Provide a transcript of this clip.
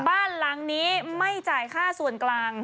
บ้านหลังนี้ไม่จ่ายค่าส่วนกลาง